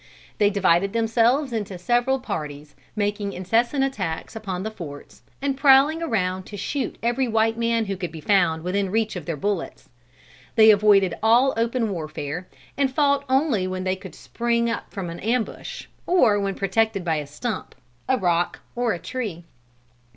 They divided themselves into several parties, making incessant attacks upon the forts, and prowling around to shoot every white man who could be found within reach of their bullets. They avoided all open warfare, and fought only when they could spring from an ambush, or when protected by a stump, a rock, or a tree.